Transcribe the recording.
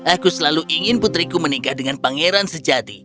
aku selalu ingin putriku menikah dengan pangeran sejati